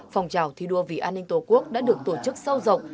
phong trào thi đua vì an ninh tổ quốc đã được tổ chức sâu dọc